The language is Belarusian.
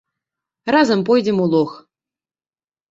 Разам пойдзем у лог.